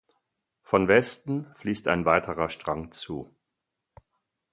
Von Westen fließt ein weiterer Strang zu.